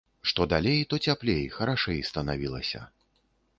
Што далей, то цяплей, харашэй станавілася.